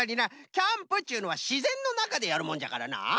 キャンプっちゅうのはしぜんのなかでやるもんじゃからなあ。